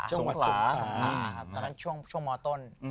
ตอนนั้นช่วงมต้น